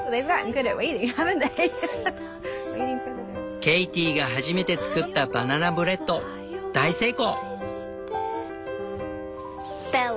ケイティが初めて作ったバナナブレッド大成功。